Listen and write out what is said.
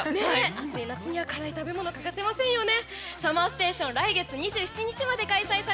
暑い夏には辛い食べ物が欠かせませんよね。